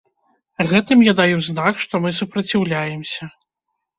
Гэтым я даю знак, што мы супраціўляемся.